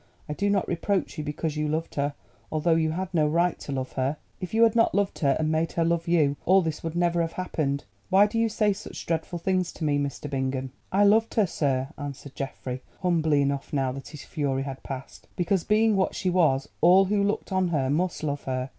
I do not reproach you because you loved her, although you had no right to love her. If you had not loved her, and made her love you, all this would never have happened. Why do you say such dreadful things to me, Mr. Bingham?" "I loved her, sir," answered Geoffrey, humbly enough now that his fury had passed, "because being what she was all who looked on her must love her.